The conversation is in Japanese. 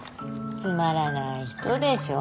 つまらない人でしょ。